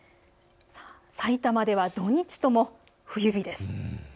さいたまでは土日とも冬日です。